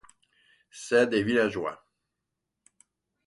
C’est des villageois.